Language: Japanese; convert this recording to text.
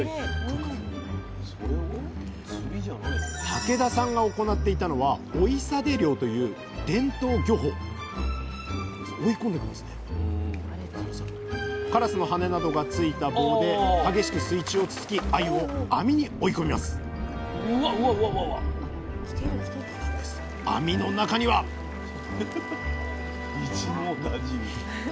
竹田さんが行っていたのは「おいさで漁」という伝統漁法カラスの羽根などがついた棒で激しく水中をつつきあゆを網に追い込みます網の中には一網打尽。